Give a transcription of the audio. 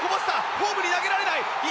ホームに投げられない。